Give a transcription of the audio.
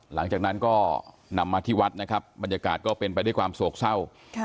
หลังจากนั้นก็นำมาที่วัดนะครับบรรยากาศก็เป็นไปด้วยความโศกเศร้า